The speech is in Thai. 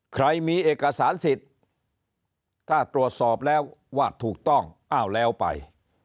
ใครมีเอกสารสิทธิ์ถ้าตรวจสอบแล้วว่าถูกต้องอ้าวแล้วไป